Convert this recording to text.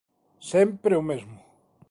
Sempre o mesmo.